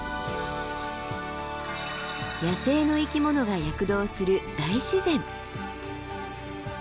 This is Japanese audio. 野生の生き物が躍動する大自然。